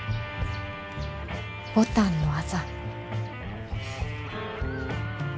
牡丹の痣。